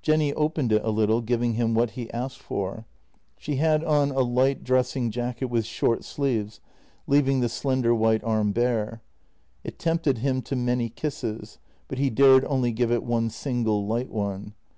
Jenny opened it a little, giving him what he asked for. She had on a light dressing jacket with short sleeves, leaving the slender white arm bare. It tempted him to many kisses, but he dared only give it one single, light one.